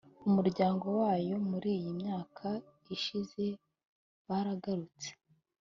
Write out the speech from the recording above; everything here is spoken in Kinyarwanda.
umuryango wayo muri iyi myaka ishize baragarutse